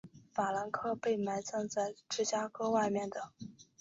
法兰克被埋葬在芝加哥外面的。